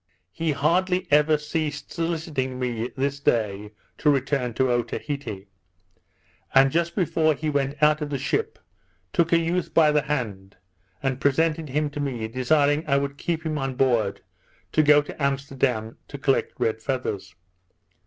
He hardly ever ceased soliciting me, this day, to return to Otaheite; and just before he went out of the ship, took a youth by the hand, and presented him to me, desiring I would keep him on board to go to Amsterdam to collect red feathers.